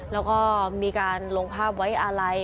แล้วก็มีการลงภาพไว้อะไร